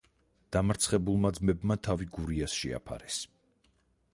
დამარცხებულმა ძმებმა თავი გურიას შეაფარეს.